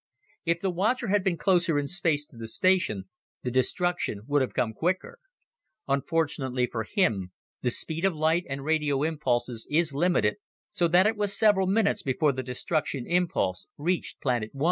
If the watcher had been closer in space to the station, the destruction would have come quicker. Unfortunately for him, the speed of light and radio impulses is limited, so that it was several minutes before the destruction impulse reached Planet I.